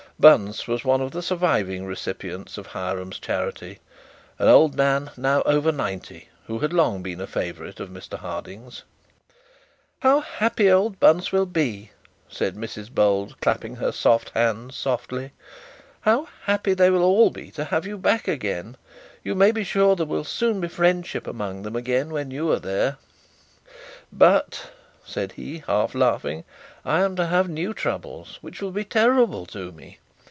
Bunce was one of the surviving recipients of Hiram's charity; and old man, now over ninety, who had long been a favourite of Mr Harding's. 'How happy old Bunce will be,' said Mrs Bold, clapping her soft hands softly. 'How happy they all will be to have you back again.' You may be sure there will soon be friendship among them again when you are there.' 'But,' said he, half laughing, 'I am to have new troubles, which will be terrible to me.